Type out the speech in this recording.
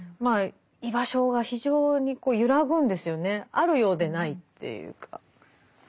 あるようでないっていうか。